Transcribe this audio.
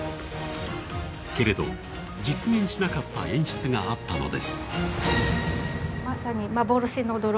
けれど、実現しなかった演出があったのです。